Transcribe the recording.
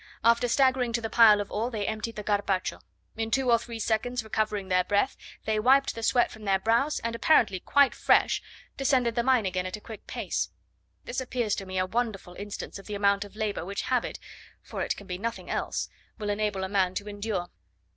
After staggering to the pile of ore, they emptied the "carpacho;" in two or three seconds recovering their breath, they wiped the sweat from their brows, and apparently quite fresh descended the mine again at a quick pace. This appears to me a wonderful instance of the amount of labour which habit, for it can be nothing else, will enable a man to endure.